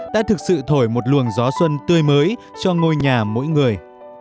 đã thực sự thổi một luồng gió xuân tươi mới cho ngôi nhà mỗi người